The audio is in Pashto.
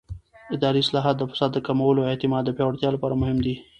اداري اصلاحات د فساد د کمولو او اعتماد د پیاوړتیا لپاره مهم دي